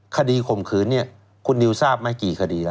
ข่มขืนเนี่ยคุณนิวทราบไหมกี่คดีแล้ว